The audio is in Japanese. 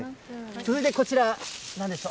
続いてこちら、なんでしょう。